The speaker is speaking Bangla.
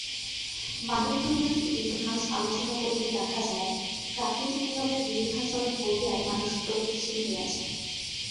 মানব-প্রগতির ইতিহাস আলোচনা করিলে দেখা যায়, প্রাকৃতিক নিয়মের বিরুদ্ধাচরণ করিয়াই মানুষ প্রগতিশীল হইয়াছে।